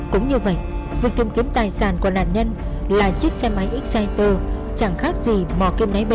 cũng như vậy việc tìm kiếm tài sản của nạn nhân là chiếc xe máy exciter chẳng khác gì mò kim nấy bể